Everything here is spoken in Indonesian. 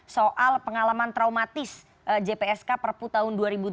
soal pengalaman traumatis jpsk prpu tahun dua ribu delapan